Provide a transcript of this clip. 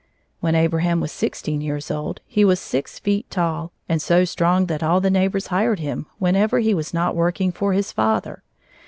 When Abraham was sixteen years old, he was six feet tall and so strong that all the neighbors hired him whenever he was not working for his father.